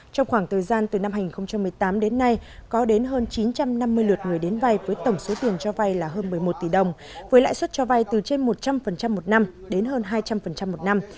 trong khoảng thời gian từ năm hai nghìn một mươi tám đến nay có đến hơn chín trăm năm mươi lượt người đến vay với tổng số tiền cho vay là hơn một mươi một tỷ đồng với lãi suất cho vay từ trên một trăm linh một năm đến hơn hai trăm linh một năm